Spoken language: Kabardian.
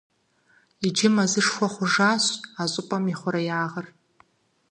Иджы мэзышхуэ хъужащ а щӏыпӏэм и хъуреягъыр.